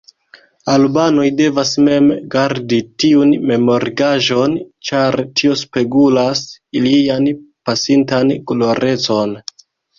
Albanoj devas mem gardi tiun memorigaĵon, ĉar tio spegulas ilian pasintan glorecon.